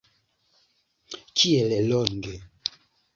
Kiel longe?